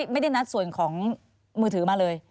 ไม่ได้นัดส่วนของมือถือมาเลย